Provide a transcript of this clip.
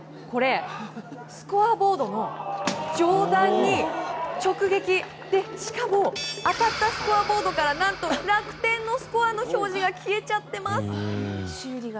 これ、スコアボードの上段に直撃でしかも、当たったスコアボードから何と楽天のスコアの表示が消えちゃってます。